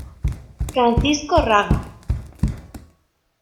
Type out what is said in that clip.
Francisco Raga.